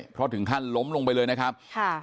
เพราะถึงขั้นล้มลงไปเลยนะครับค่ะ